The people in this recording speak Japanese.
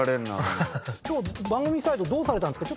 今日番組サイドどうされたんですか？